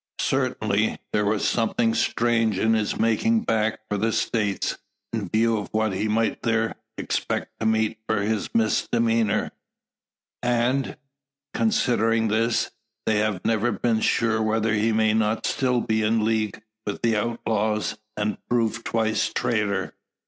Certainly, there was something strange in his making back for the States, in view of what he might there expect to meet for his misdemeanour; and, considering this, they have never been sure whether he may not still be in league with the outlaws, and prove twice traitor.